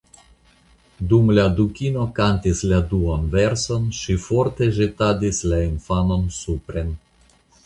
Dum la Dukino kantis la duan verson, ŝi forte ĵetadis la infanon supren.